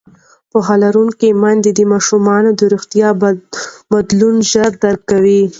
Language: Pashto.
پوهه لرونکې میندې د ماشومانو د روغتیا بدلون ژر درک کوي.